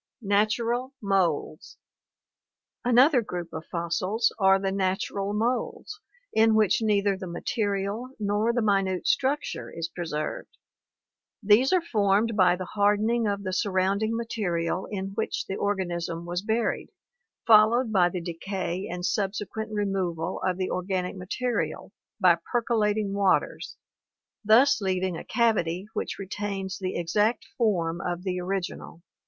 Natural Moulds. — Another group of fossils are the natural moulds in which neither the material nor the minute structure is preserved. These are formed by the hardening of the surrounding material in which the organism was buried, followed by the decay and subsequent removal of the organic material by percolating waters, thus leaving a cavity which retains the exact form of the original.